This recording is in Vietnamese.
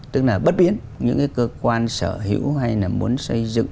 tức là bất biến những cái cơ quan sở hữu hay là muốn xây dựng